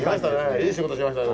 いい仕事しましたよ